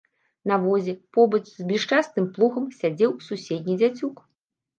На возе, побач з блішчастым плугам сядзеў суседні дзяцюк.